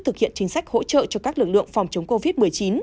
thực hiện chính sách hỗ trợ cho các lực lượng phòng chống covid một mươi chín